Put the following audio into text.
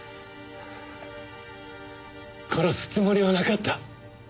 殺すつもりはなかった。